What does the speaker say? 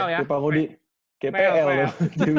kayak pak rudi kayak pl loh